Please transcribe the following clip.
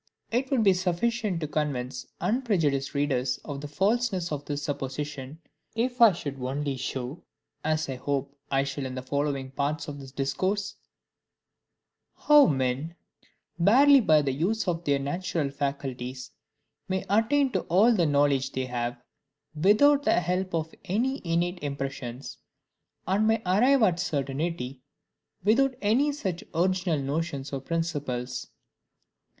It would be sufficient to convince unprejudiced readers of the falseness of this supposition, if I should only show (as I hope I shall in the following parts of this Discourse) how men, barely by the use of their natural faculties may attain to all the knowledge they have, without the help of any innate impressions; and may arrive at certainty, without any such original notions or principles.